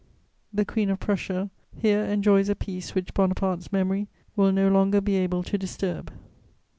The Queen of Prussia here enjoys a peace which Bonaparte's memory will no longer be able to disturb.